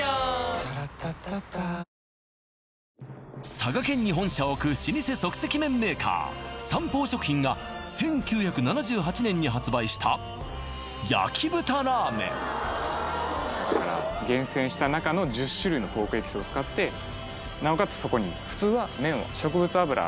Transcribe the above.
佐賀県に本社を置く老舗即席麺メーカーサンポー食品が１９７８年に発売した焼豚ラーメン厳選した中の１０種類のポークエキスを使ってなおかつ